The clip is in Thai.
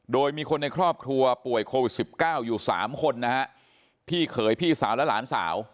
โดยมีคนในครอบครัวป่วยโควิด๑๙อยู่๓คนนะพี่เคยพี่สาวและหลานสาว